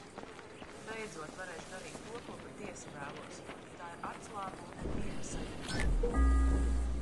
Beidzot varēšu darīt to, ko patiesi vēlos. Tā ir atslābuma un miera sajūta.